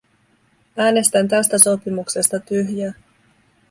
Äänestän tästä sopimuksesta tyhjää.